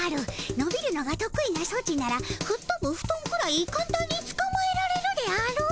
のびるのがとく意なソチならふっとぶフトンくらいかんたんにつかまえられるであろう。